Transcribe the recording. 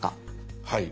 はい。